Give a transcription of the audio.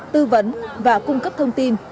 tư vấn và cung cấp thông tin